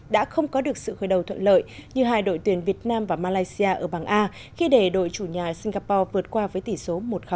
đã không có được sự khởi đầu thuận lợi như hai đội tuyển việt nam và malaysia ở bảng a khi để đội chủ nhà singapore vượt qua với tỷ số một